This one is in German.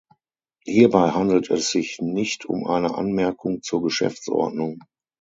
Hierbei handelt es sich nicht um eine Anmerkung zur Geschäftsordnung.